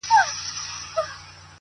هڅه د فرصتونو دروازې پرانیزي,